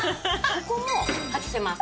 ここも外せます。